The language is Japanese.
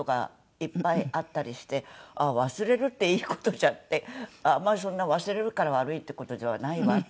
あっ忘れるっていい事じゃんってあんまりそんな忘れるから悪いって事ではないわって。